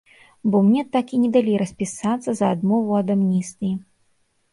Бо мне так і не далі распісацца за адмову ад амністыі.